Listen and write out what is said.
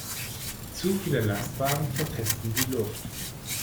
Zu viele Lastwagen verpesten die Luft.